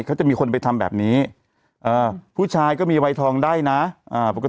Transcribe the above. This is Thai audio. เขาบอกว่าลูกสู่ชาติก็ต้องถาม